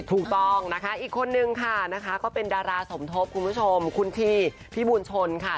ถูกต้องนะคะอีกคนนึงค่ะนะคะก็เป็นดาราสมทบคุณผู้ชมคุณทีพี่บูลชนค่ะ